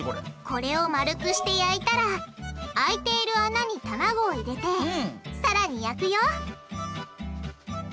これを丸くして焼いたら空いている穴に卵を入れてさらに焼くよ！